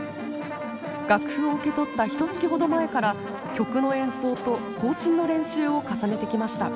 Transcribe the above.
楽譜を受け取ったひとつきほど前から曲の演奏と行進の練習を重ねてきました。